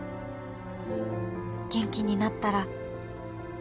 「元気になったら」